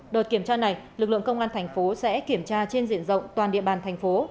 đợt kiểm tra này lực lượng công an tp sẽ kiểm tra trên diện rộng toàn địa bàn tp